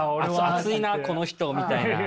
熱いなこの人みたいな。